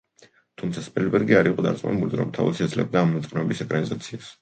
თუმცა სპილბერგი არ იყო დარწმუნებული რომ თავად შეძლებდა ამ ნაწარმოების ეკრანიზაციას.